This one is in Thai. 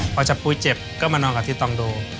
พอจับปุ้ยเจ็บก็มานอนกับที่ตองโด